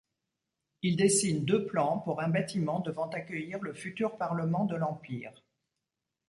Ils dessinent deux plans pour un bâtiment devant accueillir le futur parlement de l'Empire.